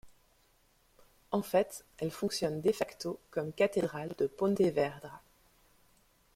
En fait, elle fonctionne de facto comme cathédrale de Pontevedra.